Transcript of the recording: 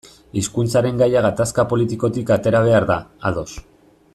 Hizkuntzaren gaia gatazka politikotik atera behar da, ados.